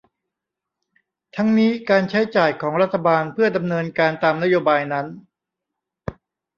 ทั้งนี้การใช้จ่ายของรัฐบาลเพื่อดำเนินการตามนโยบายนั้น